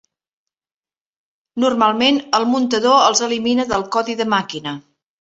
Normalment el muntador els elimina del codi de màquina.